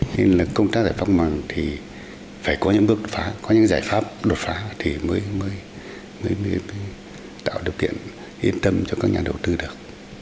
nên là công tác giải phóng mật thì phải có những bước đột phá có những giải pháp đột phá thì mới tạo được kiện yên tâm cho các nhà đầu tư được